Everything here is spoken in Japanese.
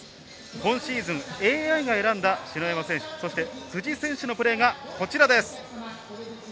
今シーズン、ＡＩが選んだ篠山選手、辻選手のプレーがこちらです。